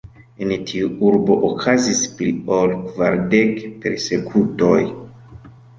En tiu urbo okazis pli ol kvardek persekutoj.